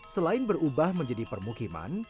selain berubah menjadi permukiman